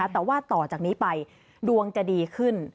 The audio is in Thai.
แต่ว่าต่อจากนี้ไปดวงจะดีขึ้น